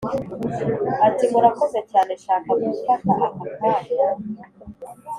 Ati Murakoze cyane Nshaka gufata aka kanya